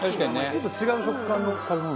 ちょっと違う食感の食べ物。